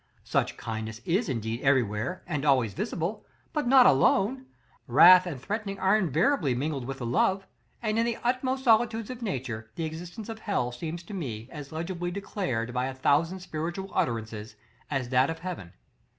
Such kindness is indeed everywhere and always visible; but not alone. Wrath and threatening are invariably mingled with the love; and in the utmost solitudes of nature, the existence of Hell seems to me as legibly declared by a thousand spiritual utterances, as that of Heaven.